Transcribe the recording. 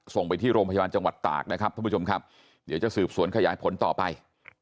ส่งไปที่โรงพยาบาลจังหวัดตากนะครับท่านผู้ชมครับเดี๋ยวจะสืบสวนขยายผลต่อไป